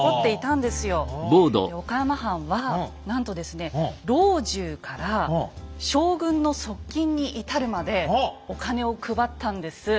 岡山藩はなんとですね老中から将軍の側近に至るまでお金を配ったんです。